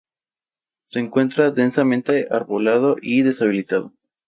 Se encuentra densamente arbolado y deshabitado.